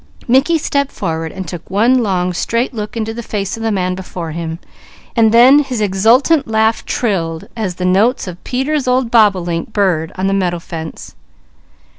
_" Mickey stepped forward, taking one long, straight look into the face of the man before him; then his exultant laugh trilled as the notes of Peter's old bobolink bird on the meadow fence.